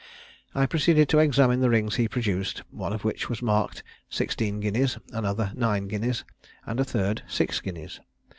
I proceeded to examine the rings he produced, one of which was marked sixteen guineas, another nine guineas, and the third six guineas.